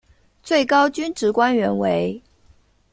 最高军职官员为。